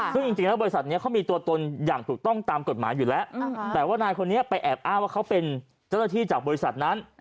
ซึ่งจริงแล้วบริษัทนี้เขามีตัวตนอย่างถูกต้องตามกฎหมายอยู่แล้วแต่ว่านายคนนี้ไปแอบอ้างว่าเขาเป็นเจ้าหน้าที่จากบริษัทนั้น